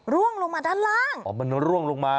ร่วงลงมาด้านล่างอ๋อมันร่วงลงมา